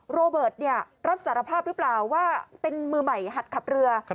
โรเบิร์ตรับสารภาพหรือเปล่าว่าเป็นมือใหม่หัดขับเรือ